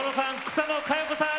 草野華余子さん